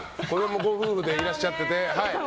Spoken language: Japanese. ご夫婦でいらっしゃって。